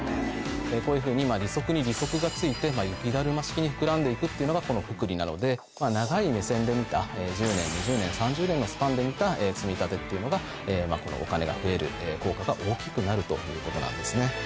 こういうふうに利息に利息がついて雪だるま式に膨らんで行くっていうのがこの複利なので長い目線で見た１０年２０年３０年のスパンで見た積み立てっていうのがお金が増える効果が大きくなるということなんですね。